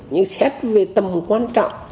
nhưng xét về tầm quan trọng